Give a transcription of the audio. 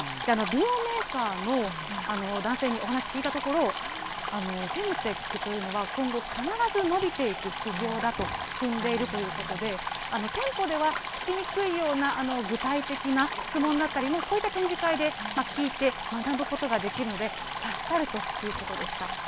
美容メーカーの男性にお話聞いたところ、フェムテックというのは、今後、必ず伸びていく市場だと踏んでいるということで、店舗では聞きにくいような具体的な質問だったりも、こういった展示会で聞いて学ぶことができるので、助かるということでした。